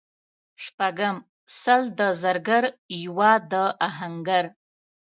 شپږم:سل د زرګر یوه د اهنګر